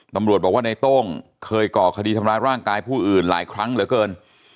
ตำรวจบอกว่าในโต้งเคยก่อคดีทำร้ายร่างกายผู้อื่นหลายครั้งเหลือเกิน